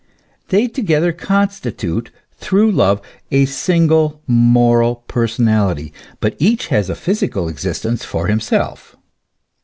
They together constitute, through love, a single moral personality, but each has a physical existence for himself.